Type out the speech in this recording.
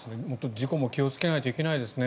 事故も気をつけないといけないですね。